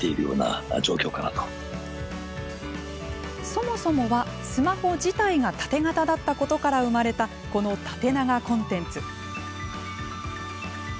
そもそもは、スマホ自体がタテ型だったことから生まれたこの縦長コンテンツ。